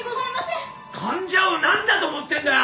患者をなんだと思ってるんだ！？